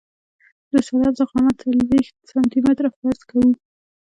د سلب ضخامت څلوېښت سانتي متره فرض کوو